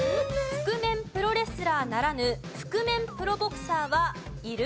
覆面プロレスラーならぬ覆面プロボクサーはいる？